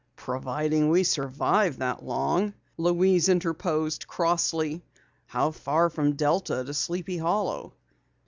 "Providing we survive that long," Louise interposed crossly. "How far from Delta to Sleepy Hollow?"